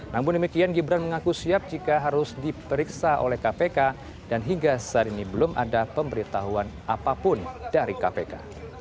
namun demikian gibran mengaku siap jika harus diperiksa oleh kpk dan hingga saat ini belum ada pemberitahuan apapun dari kpk